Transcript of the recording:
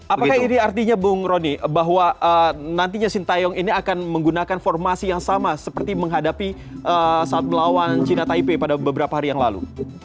apakah ini artinya bung roni bahwa nantinya sintayong ini akan menggunakan formasi yang sama seperti menghadapi saat melawan china taipei pada beberapa hari yang lalu